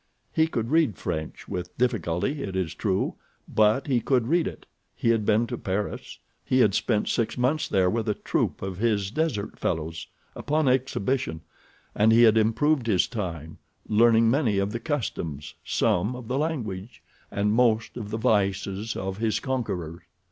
He could read French, with difficulty, it is true; but he could read it. He had been to Paris. He had spent six months there with a troupe of his desert fellows, upon exhibition, and he had improved his time, learning many of the customs, some of the language, and most of the vices of his conquerors.